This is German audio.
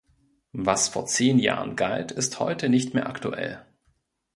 Was vor zehn Jahren galt, ist heute nicht mehr aktuell.